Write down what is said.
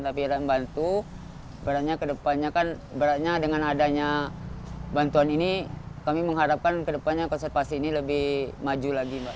tapi saya membantu beratnya ke depannya kan beratnya dengan adanya bantuan ini kami mengharapkan ke depannya konservasi ini lebih maju lagi mbak